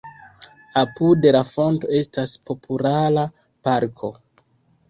Apud la fonto estas populara parko.